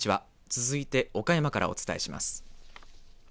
続いて岡山からお伝えします。